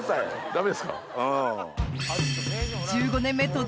ダメですか？